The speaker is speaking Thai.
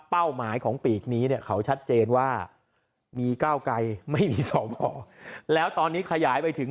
เป้าหมายของปีกนี้เขาชัดเจนว่ามีก้าวไกลไม่มีสอบห่อแล้วตอนนี้ขยายไปถึง